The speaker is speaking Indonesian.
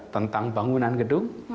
tentang bangunan gedung